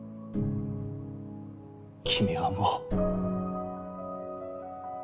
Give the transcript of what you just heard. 君はもう。